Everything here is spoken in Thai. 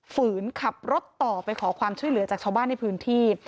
ฝืนขับรถต่อไปขอความช่วยเหลือจากชาวบ้านในพื้นที่